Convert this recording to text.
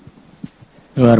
dan ini butuh keterlibatan semuanya